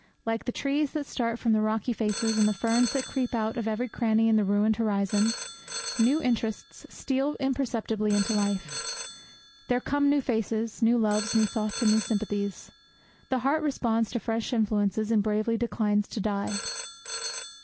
Like the trees that start from the rocky faces, and the ferns that creep out of every cranny in the ruined horizon, new interests steal imperceptibly into life. There come new faces, new loves, new thoughts, and new sympathies. The heart responds to fresh influences and bravely declines to die.